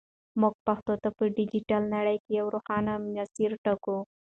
موږ پښتو ته په ډیجیټل نړۍ کې یو روښانه مسیر ټاکو.